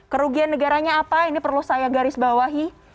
kerugian negaranya apa ini perlu saya garis bawahi